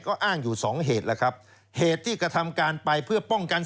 ก็อ้างอยู่สองเหตุแล้วครับเหตุที่กระทำการไปเพื่อป้องกัน